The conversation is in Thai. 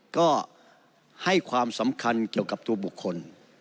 ก็ให้ความสำคัญเกี่ยวกับตัวบุคคล